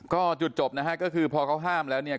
ก็จุดจบนะฮะก็คือพอเขาห้ามแล้วเนี่ย